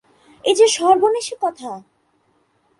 এ যে সর্বনেশে কথা!